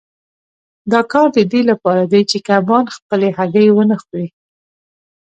دا کار د دې لپاره دی چې کبان خپلې هګۍ ونه خوري.